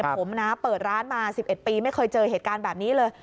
ผมนะเปิดร้านมา๑๑ปีไม่เคยเจอเหตุการณ์แบบนี้เลย